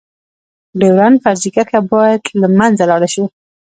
ډيورنډ فرضي کرښه باید لمنځه لاړه شی.